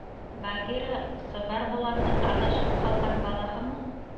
Багира — сыбар боландың аҙашып ҡалған балаһымы?